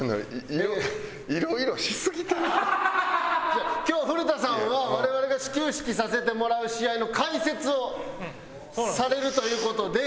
いや今日古田さんは我々が始球式させてもらう試合の解説をされるという事で。